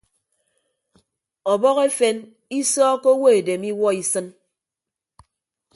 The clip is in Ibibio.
Ọbọhọ efen isọọkkọ owo edem iwuọ isịn.